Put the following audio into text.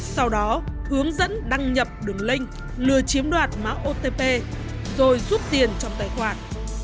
sau đó hướng dẫn đăng nhập đường link lừa chiếm đoạt mã otp rồi rút tiền trong tài khoản